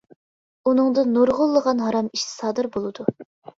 ئۇنىڭدا نۇرغۇنلىغان ھارام ئىش سادىر بولىدۇ.